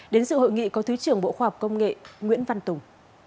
đến sự hội nghị có thứ trưởng bộ khoa học công nghệ nguyễn văn tùng